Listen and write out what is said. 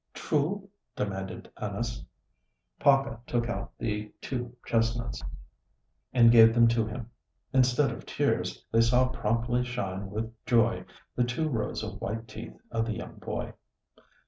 "True?" demanded Anis. Paca took out the two chestnuts, and gave them to him. Instead of tears, they saw promptly shine with joy the two rows of white teeth of the young boy.